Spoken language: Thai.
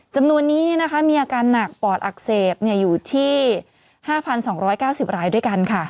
จำนวนนี้มีอาการหนักปอดอักเสบอยู่ที่๕๒๙๐รายด้วยกันค่ะ